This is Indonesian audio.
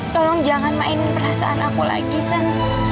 tolong jangan mainin perasaan aku lagi san